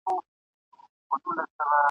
قسمت پردی کړې ښکلې کابله !.